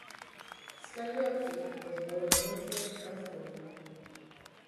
Scagliotti was born in Monterey, California.